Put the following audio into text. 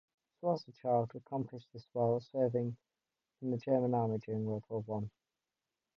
Schwarzschild accomplished this while serving in the German army during World War One.